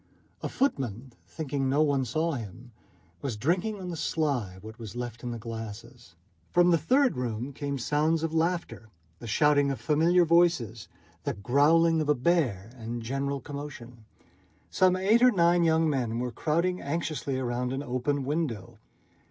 A footman, thinking no one saw him, was drinking on the sly what was left in the glasses. From the third room came sounds of laughter, the shouting of familiar voices, the growling of a bear, and general commotion. Some eight or nine young men were crowding anxiously round an open window.